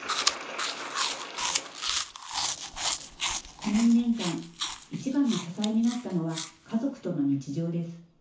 この２年間、一番の支えになったのは、家族との日常です。